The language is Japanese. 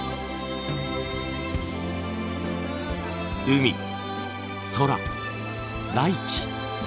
海空大地。